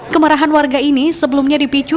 kemarahan warga ini sebelumnya dipicu